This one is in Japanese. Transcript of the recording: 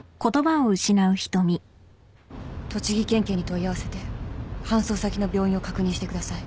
栃木県警に問い合わせて搬送先の病院を確認してください。